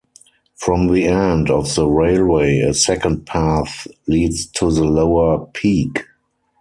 From the end of the railway a second path leads to the lower peak.